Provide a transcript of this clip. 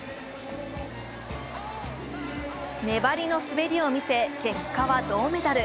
粘りの滑りを見せ、結果は銅メダル。